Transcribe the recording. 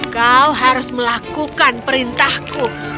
kau harus melakukan perintahku